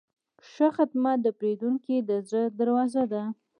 ښه خدمت د پیرودونکي د زړه دروازه ده.